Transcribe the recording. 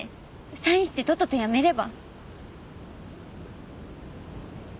サインしてとっとと辞めれば？